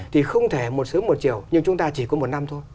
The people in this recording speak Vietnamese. thì không thể một sớm một chiều nhưng chúng ta chỉ có một năm thôi